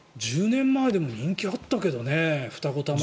１０年前でも人気あったけどね、二子玉川。